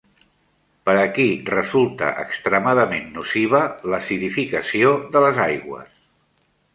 Per a qui resulta extremadament nociva l'acidificació de les aigües?